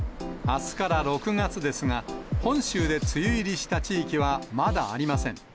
あすから６月ですが、本州で梅雨入りした地域はまだありません。